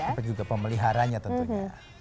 tapi juga pemeliharannya tentunya